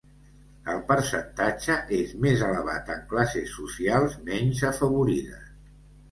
El percentatge és més elevat en classes socials menys afavorides.